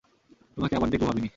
তোমাকে আবার দেখবো ভাবিনি।